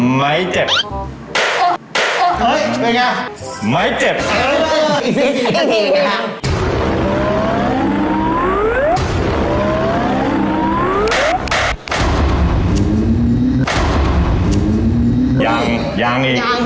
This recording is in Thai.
มันจะเป็นอย่างเงี้ย